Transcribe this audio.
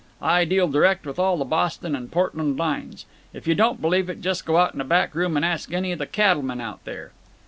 I deal direct with all the Boston and Portland lines. If you don't believe it just go out in the back room and ask any of the cattlemen out there."